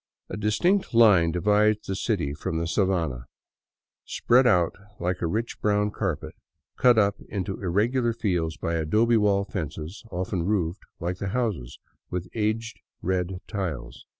A distinct line divides the city from the sabana, spread out like a rich brown carpet, cut up into irregular fields by adobe wall fences often roofed, like the houses, with aged red tiles.